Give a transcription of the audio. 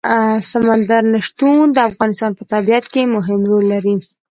سمندر نه شتون د افغانستان په طبیعت کې مهم رول لري.